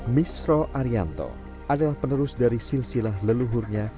misro arianto adalah penerus dari silsilah leluhurnya